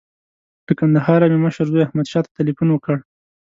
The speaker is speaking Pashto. له کندهاره مې مشر زوی احمدشاه ته تیلفون وکړ.